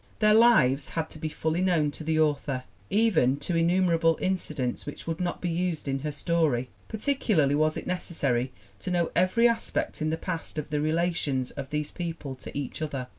Their lives had to be fully known to the author, even to innumerable incidents which would not be used in her story. Particularly was it necessary to know every aspect in the past of the re lations of these people to each other.